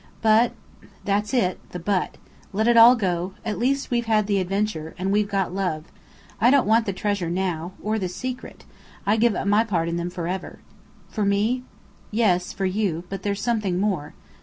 But " "That's it: the 'but'. Let it all go! At least, we've had the adventure. And we've got Love. I don't want the treasure, now. Or the secret. I give up my part in them forever." "For me?" "Yes, for you. But there's something more."